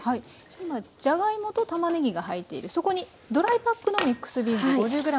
今じゃがいもとたまねぎが入っているそこにドライパックのミックスビーンズ５０ｇが入ります。